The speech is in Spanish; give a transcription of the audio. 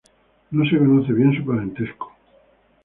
No se conoce bien su parentesco.